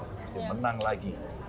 kita harus menang lagi